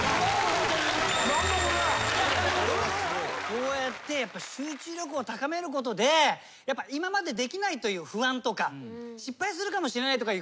こうやって集中力を高めることで今までできないという不安とか失敗するかもしれないという。